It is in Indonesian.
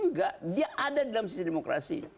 enggak dia ada dalam sistem demokrasi